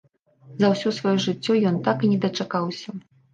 За ўсё сваё жыццё ён так і не дачакаўся.